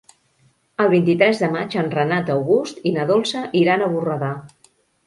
El vint-i-tres de maig en Renat August i na Dolça iran a Borredà.